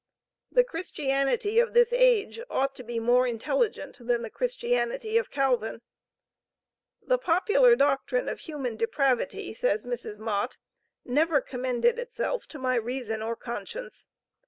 The Christianity of this age ought to be more intelligent than the Christianity of Calvin. "The popular doctrine of human depravity," says Mrs. Mott, "never commended itself to my reason or conscience.